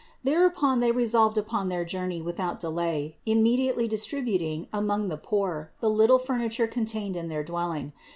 Thereupon they resolved upon their journey without delay, immediately distributing among the poor the little furniture contained in their dwelling.